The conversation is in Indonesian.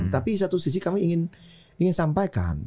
tapi di satu sisi kami ingin sampaikan